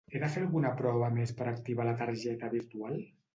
He de fer alguna prova més per activar la targeta virtual?